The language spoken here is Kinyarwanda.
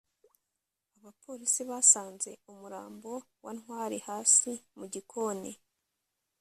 abapolisi basanze umurambo wa ntwali hasi mu gikoni